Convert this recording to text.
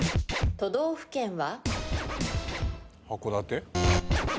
都道府県は？